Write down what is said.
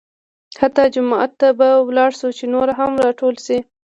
حتمي جومات ته به لاړ شو چې نور هم راټول شي.